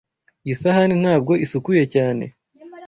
Iyi sahani ntabwo isukuye cyane.